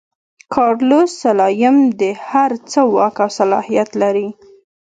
کارلوس سلایم د هر څه واک او صلاحیت لري.